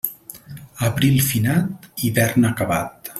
Abril finat, hivern acabat.